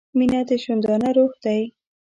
• مینه د ژوندانه روح دی.